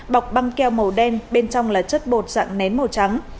bọc băng keo màu đen bên trong là chất bột dạng nén màu trắng